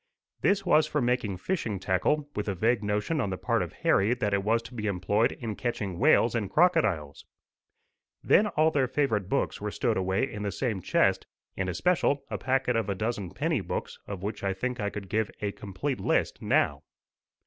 This was for making fishing tackle, with a vague notion on the part of Harry that it was to be employed in catching whales and crocodiles. Then all their favourite books were stowed away in the same chest, in especial a packet of a dozen penny books, of which I think I could give a complete list now.